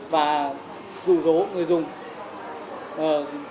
và rủ rỗ người dùng